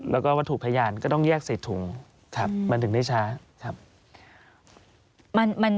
แล้วก็วัตถุพยานก็ต้องแยก๔ถุงบันทึกได้ช้า